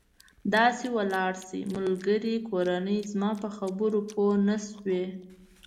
داسې ولاړ شئ، ملګري، کورنۍ، زما په خبرو پوه نه شوې.